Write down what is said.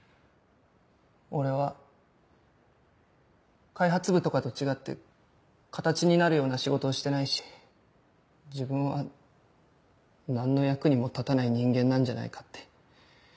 俺は開発部とかと違って形になるような仕事をしてないし自分は何の役にも立たない人間なんじゃないかって。